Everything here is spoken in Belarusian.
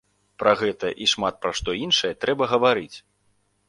Пра гэта і шмат пра што іншае трэба гаварыць.